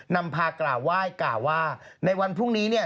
นำภากราวไหว้ก่าว่าในวันพรุ่งนี้